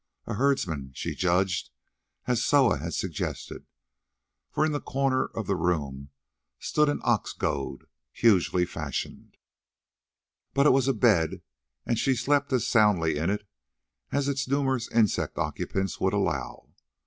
A herdsman, she judged, as Soa had suggested, for in a corner of the room stood an ox goad hugely fashioned. But it was a bed, and she slept as soundly in it as its numerous insect occupants would allow.